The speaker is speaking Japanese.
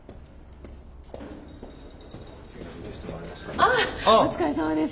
ああお疲れさまです。